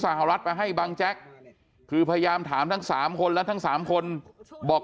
สหรัฐมาให้บังแจ๊กคือพยายามถามทั้ง๓คนและทั้ง๓คนบอก